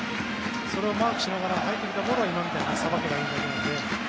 それをマークしながら入ってきたボールを今みたいにさばけばいいです。